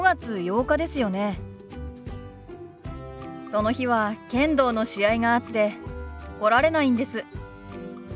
その日は剣道の試合があって来られないんです。